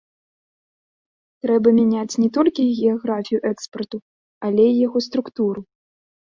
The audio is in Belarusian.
Трэба мяняць не толькі геаграфію экспарту, але і яго структуру.